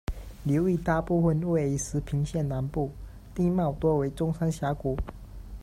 流域大部分位于石屏县南部，地貌多为中山峡谷。